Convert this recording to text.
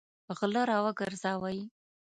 غله راوګرځوئ!